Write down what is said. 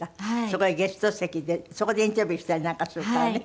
そこへゲスト席でそこでインタビューしたりなんかするからね。